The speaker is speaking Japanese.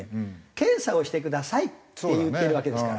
検査をしてくださいっていってるわけですから。